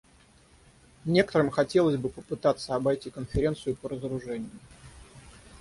Некоторым хотелось бы попытаться обойти Конференцию по разоружению.